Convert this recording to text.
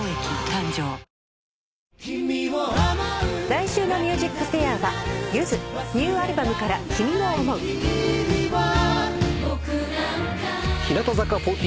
来週の『ＭＵＳＩＣＦＡＩＲ』はゆずニューアルバムから『君を想う』日向坂４６。